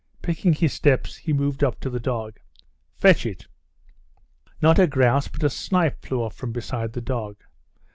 Picking his steps, he moved up to the dog. "Fetch it!" Not a grouse but a snipe flew up from beside the dog.